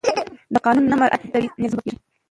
د قانون نه مراعت د بې نظمي سبب کېږي